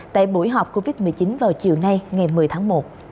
tại buổi họp covid một mươi chín vào chiều nay ngày một mươi tháng một